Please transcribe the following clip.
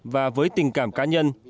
và với tình cảm cá nhân